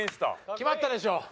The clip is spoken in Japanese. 決まったでしょ？